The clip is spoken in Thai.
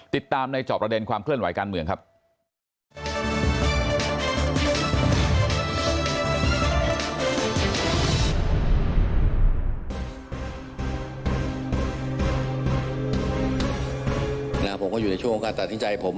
ติดตามในจอบประเด็นความเคลื่อนไหวการเมืองครับ